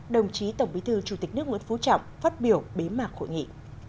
đồng chí tổng bí thư chủ tịch nước nguyễn phú trọng phát biểu bế mạc hội nghị